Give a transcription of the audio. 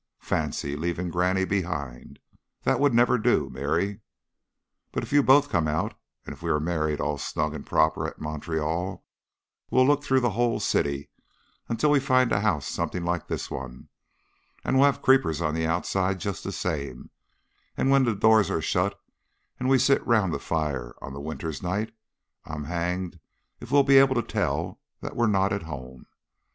"Fancy leaving granny behind! That would never do! Mary! But if you both come out, and if we are married all snug and proper at Montreal, we'll look through the whole city until we find a house something like this one, and we'll have creepers on the outside just the same, and when the doors are shut and we sit round the fire on the winter's nights, I'm hanged if we'll be able to tell that we're not at home.